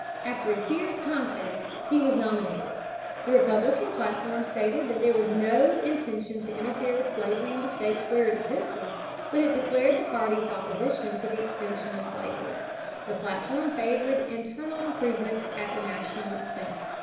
After a fierce contest he was nominated. The Republican platform stated that there was no intention to interfere with slavery in the states where it existed; but it declared the party's opposition to the extension of slavery. The platform favored internal improvements at the national expense.